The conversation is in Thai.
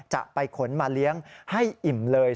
จะไปขนมาเลี้ยงให้อิ่มเลย